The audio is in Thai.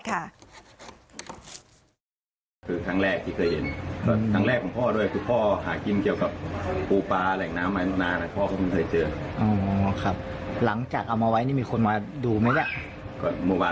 อ้าวเดี๋ยวฟังเสียงเขาหน่อยค่ะ